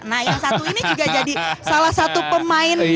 nah yang satu ini juga jadi salah satu pemain